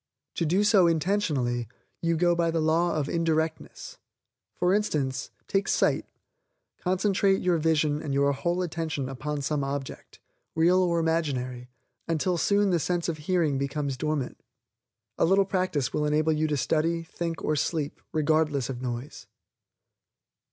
To do so intentionally, you go by the law of indirectness. For instance, take sight; concentrate your vision and your whole attention upon some object, real or imaginary, until soon the sense of HEARING becomes dormant. A little practice will enable you to study, think or sleep, regardless of noise.